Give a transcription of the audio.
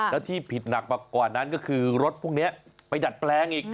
แล้วที่ผิดหนักมากว่านั้นก็คือรถพวกนี้ไปดัดแปลงอีก